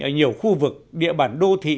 ở nhiều khu vực địa bản đô thị